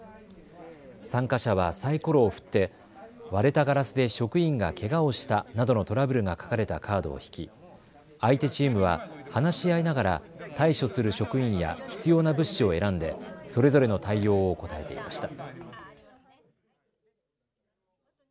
参加者はサイコロを振って割れたガラスで職員がけがをしたなどのトラブルが書かれたカードを引き、相手チームは話し合いながら対処する職員や必要な物資を選んでそれぞれの対応を答えていました。